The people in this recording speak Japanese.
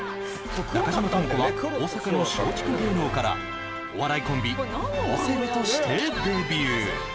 中島知子は大阪の松竹芸能からお笑いコンビ、オセロとしてデビュー。